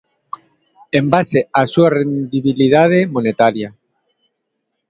En base á súa rendibilidade monetaria.